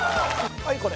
はいこれ。